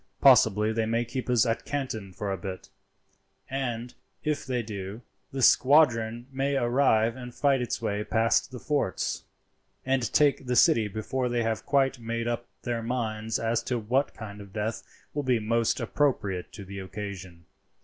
Possibly they may keep us at Canton for a bit, and, if they do, the squadron may arrive and fight its way past the forts, and take the city before they have quite made up their minds as to what kind of death will be most appropriate to the occasion.